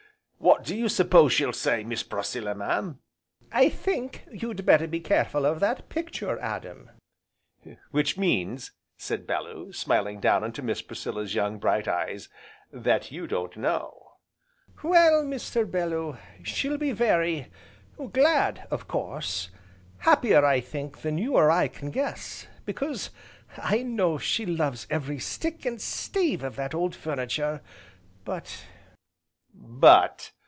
"What do you suppose she'll say, Miss Priscilla, mam?" "I think you'd better be careful of that picture, Adam!" "Which means," said Bellew, smiling down into Miss Priscilla's young, bright eyes, "that you don't know." "Well, Mr. Bellew, she'll be very glad, of course, happier I think, than you or I can guess, because I know she loves every stick, and stave of that old furniture, but " "But!"